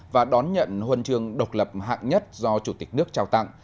và đón nhận huân trường độc lập hạng nhất do chủ tịch nước trao tặng